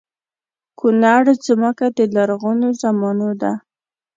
کونړ ځمکه د لرغونو زمانو ده